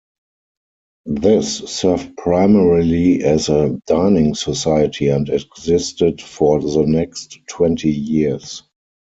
This served primarily as a dining society, and existed for the next twenty years.